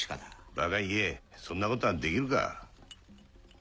バカ言えそんなことができるか。